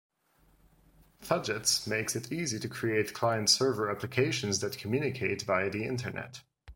Fudgets makes it easy to create client-server applications that communicate via the Internet.